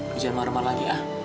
jangan marmal marmal lagi ya